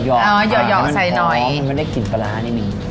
อ๋อย่อยใส่หน่อยมันหอมมันไม่ได้กลิ่นปลาร้านิดหนึ่ง